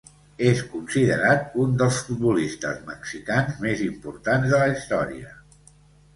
És considerat un dels futbolistes mexicans més importants de la història.